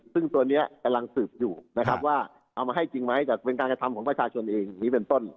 ซึ่งตัวนี้กำลังสืบอยู่นะครับว่าเอามาให้จริงไหมแต่เป็นการกระทำของประชาชนเองอย่างนี้เป็นต้น